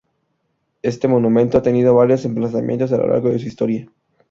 Este monumento ha tenido varios emplazamientos a lo largo de su historia.